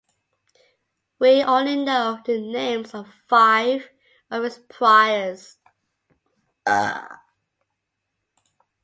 We only know the names of five of its priors.